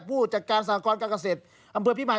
ผู้จัดการสากรการเกษตรอำเภอพิมาย